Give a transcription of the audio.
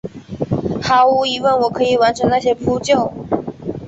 毫无疑问我可以完成那些扑救！